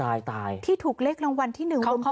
๒๔ล้าน๑๕๒๐๐๐บาทที่ถูกเล็กรางวัลที่๑วงรวมกัน